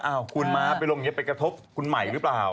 เอ้าคุณม้าลงนี้กระทบคุณไหมรึเปล่า